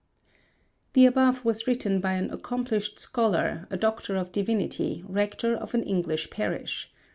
The above was written by an accomplished scholar, a Doctor of Divinity, rector of an English parish.